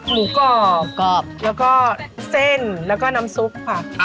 หมูกรอบกรอบแล้วก็เส้นแล้วก็น้ำซุปค่ะ